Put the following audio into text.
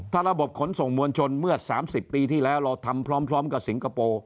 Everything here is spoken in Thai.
ถ้าระบบขนส่งมวลชนเมื่อ๓๐ปีที่แล้วเราทำพร้อมกับสิงคโปร์